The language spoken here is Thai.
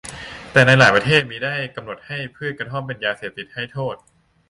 แต่ในหลายประเทศมิได้กำหนดให้พืชกระท่อมเป็นยาเสพติดให้โทษ